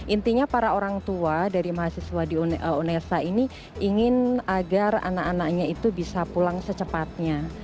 intinya para orang tua dari mahasiswa di unesa ini ingin agar anak anaknya itu bisa pulang secepatnya